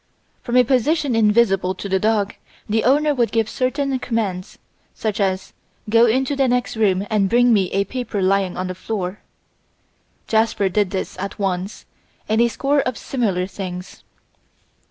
From a position invisible to the dog the owner would give certain commands, such as "Go into the next room and bring me a paper lying on the floor." Jasper did this at once, and a score of similar things.